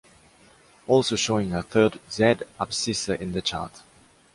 Also showing a third z abscissa in the chart.